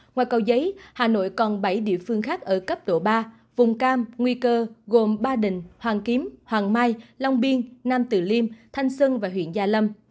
ngoài cầu giấy hà nội còn bảy địa phương khác ở cấp độ ba vùng cam nguy cơ gồm ba đình hoàng kiếm hoàng mai long biên nam tử liêm thanh xuân và huyện gia lâm